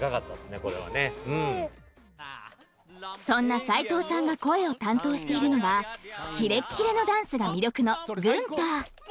［そんな斎藤さんが声を担当しているのがキレッキレのダンスが魅力のグンター］